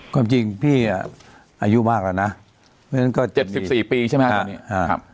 ความจริงพี่อายุมากแล้วนะเจ็บสิบสี่ปีใช่ไหมครับ